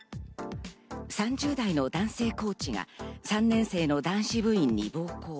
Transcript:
３０代の男性コーチが３年生の男子部員に暴行。